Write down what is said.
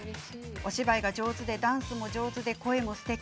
お芝居が上手でダンスも上手で声もすてき。